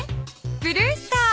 ブルースター。